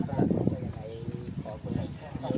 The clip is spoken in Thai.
กลับไปอีกชักนาคัน